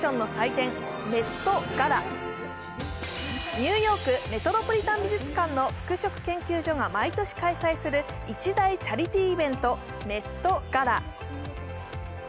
ニューヨーク・メトロポリタン美術館の服飾研究所が毎年開催する一大チャリティーイベント、メット・ガラ。